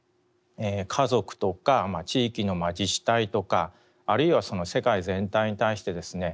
家族とか地域の自治体とかあるいは世界全体に対してですね